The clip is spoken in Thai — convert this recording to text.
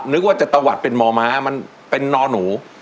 นึกว่าจะตะวัดเป็นมอม้ามันเป็นนอหนู